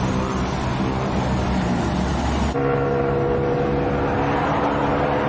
บวนพยายามกลงสู่กาแส